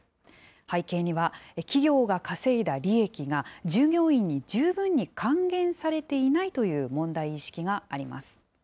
背景には、企業が稼いだ利益が従業員に十分に還元されていないという問題意識があります。